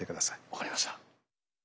分かりました。